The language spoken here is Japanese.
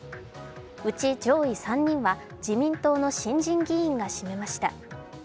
うち上位３人は自民党の新人議員が占めました。